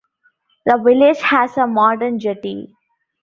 The village has a modern jetty.